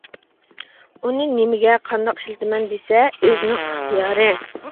ئۇنى نېمىگە، قانداق ئىشلىتىمەن دېسە ئۆزىنىڭ ئىختىيارى.